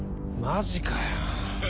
マジかよ！